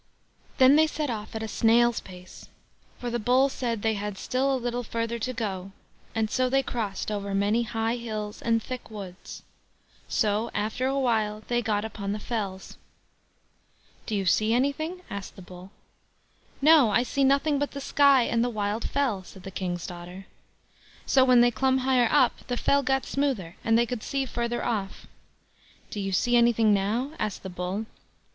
Then they set off at a snail's pace, for the Bull said they had still a little further to go, and so they crossed over many high hills and thick woods. So after awhile they got upon the fells. "Do you see anything?" asked the Bull. "No, I see nothing but the sky, and the wild fell", said the King's daughter. So when they clomb higher up, the fell got smoother, and they could see further off. "Do you see anything now?" asked the Bull.